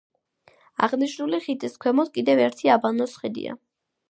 აღნიშნული ხიდის ქვემოთ კიდევ ერთი აბანოს ხიდია.